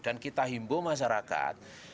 dan kita himbu masyarakat